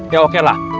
ya oke lah